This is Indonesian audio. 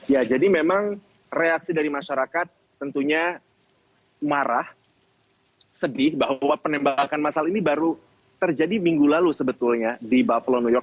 ya jadi memang reaksi dari masyarakat tentunya marah sedih bahwa penembakan masal ini baru terjadi minggu lalu sebetulnya di buffle new yor